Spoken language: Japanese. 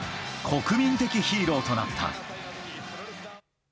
国民的ヒーローとなった。